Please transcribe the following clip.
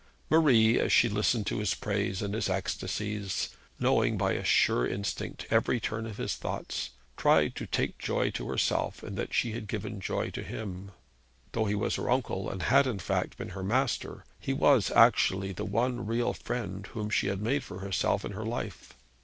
Marie as she listened to his praise and his ecstasies, knowing by a sure instinct every turn of his thoughts, tried to take joy to herself in that she had given joy to him. Though he was her uncle, and had in fact been her master, he was actually the one real friend whom she had made for herself in her life.